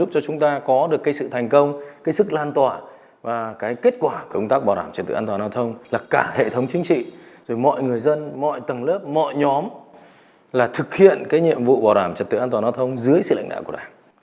chúng ta có được cái sự thành công cái sức lan tỏa và cái kết quả của công tác bảo đảm trật tự an toàn an thông là cả hệ thống chính trị rồi mọi người dân mọi tầng lớp mọi nhóm là thực hiện cái nhiệm vụ bảo đảm trật tự an toàn an thông dưới sự lãnh đạo của đảng